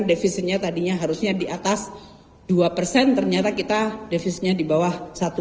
defisitnya tadinya harusnya di atas dua ternyata kita defisitnya di bawah satu enam puluh delapan